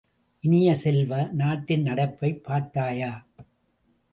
இனிய செல்வ, நாட்டின் நடப்பைப் பார்த்தாயா?